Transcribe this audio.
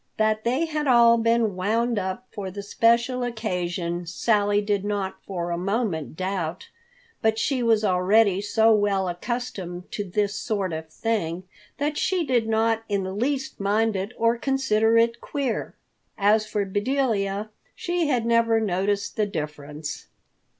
That they had all been wound up for the special occasion Sally did not for a moment doubt, but she was already so well accustomed to this sort of thing that she did not in the least mind it or consider it queer. As for Bedelia, she had never noticed the difference.